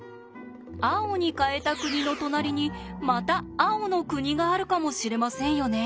青に変えた国の隣にまた青の国があるかもしれませんよね？